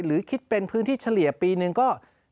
หรือคิดเป็นพื้นที่เฉลี่ยปีหนึ่งก็